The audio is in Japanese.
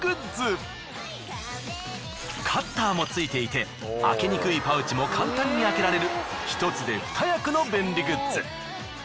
カッターもついていて開けにくいパウチも簡単に開けられる１つで２役の便利グッズ。